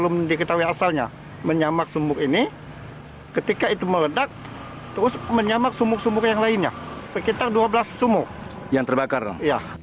malas paksa mau hindarkan